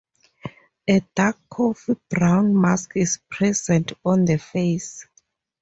A dark, coffee-brown mask is present on the face.